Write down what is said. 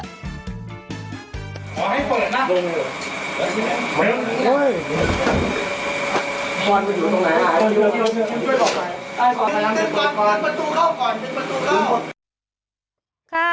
ประตูเข้าก่อนเป็นประตูเข้า